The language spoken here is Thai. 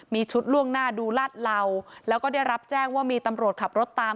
มีชุดล่วงหน้าดูลาดเหล่าแล้วก็ได้รับแจ้งว่ามีตำรวจขับรถตาม